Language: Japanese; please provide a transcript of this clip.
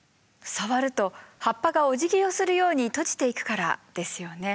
触ると葉っぱがおじぎをするように閉じていくからですよね。